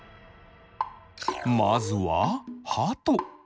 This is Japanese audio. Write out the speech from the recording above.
まずはハト。